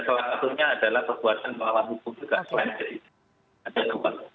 salah satunya adalah pekuasaan pengawal hukum juga selain pt un